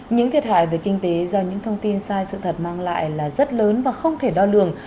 những thiệt hại về kinh tế do những thông tin sai sự thật mang lại là rất lớn và không thể đo lường